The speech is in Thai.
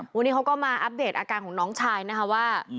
วันนี้เขาก็มาอัปเดตอาการของน้องชายนะคะว่า